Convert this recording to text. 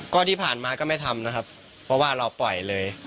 ก็ที่ผ่านมาก็ไม่ทำนะครับเพราะว่าเราปล่อยเลย